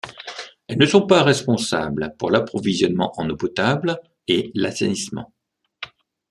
Elles ne sont pas responsables pour l'approvisionnement en eau potable et l'assainissement.